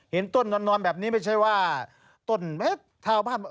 เห็นต้นนอนแบบนี้ไม่ใช่ว่าต้นไม้ชาวบ้าน